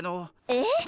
えっ？